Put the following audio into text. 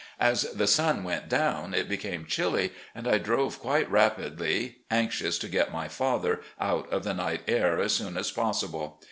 As the sun went down, it became chilly and I drove quite rapidly, anxious to get my father out of the night air as soon as possible.